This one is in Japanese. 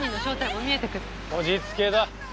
こじつけだ。